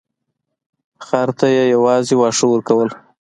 خر ته یې یوازې واښه ورکول.